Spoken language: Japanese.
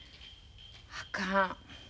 あかん。